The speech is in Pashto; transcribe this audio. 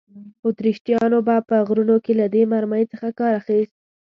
اتریشیانو به په غرونو کې له دې مرمۍ څخه کار اخیست.